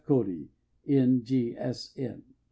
Cody, N. G. S. N.